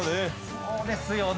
そうですよね。